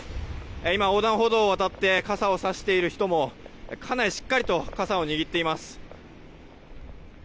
今、横断歩道を渡って傘をさしている人もかなりしっかりと傘を握っています。